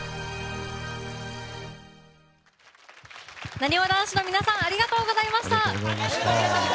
なにわ男子の皆さんありがとうございました。